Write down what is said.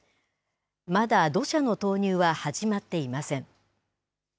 まだ土砂の投入は始まっていません。